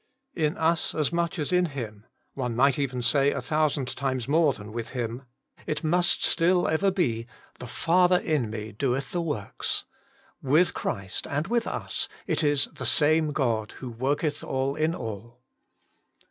In us, as much as in Him, one might even say a thousand times more than with Him, it must still ever be: The Father in me doeth the works. With Christ and with us, it is ' the same God who worketh all in all.'